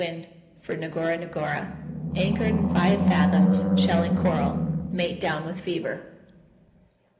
wind for Ngora Ngora. Anchored in 5 fathoms—shell and coral. Mate down with fever.